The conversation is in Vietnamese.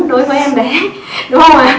đối với em bé đúng không ạ